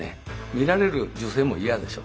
見られる女性も嫌でしょ。